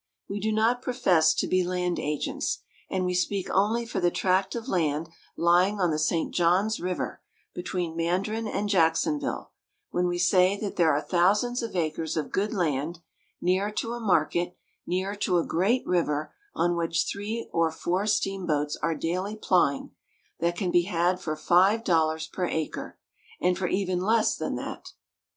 We do not profess to be land agents; and we speak only for the tract of land lying on the St. John's River, between Mandarin and Jacksonville, when we say that there are thousands of acres of good land, near to a market, near to a great river on which three or four steamboats are daily plying, that can be had for five dollars per acre, and for even less than that.